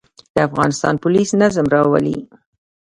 د افغانستان پولیس نظم راولي